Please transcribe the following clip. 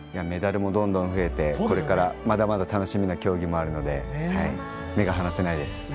メダルもどんどん増えてこれからまだまだ楽しみな競技もあるので目が離せないです。